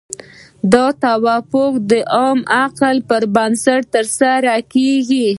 دا توافق د عام عقل پر بنسټ ترسره کیږي.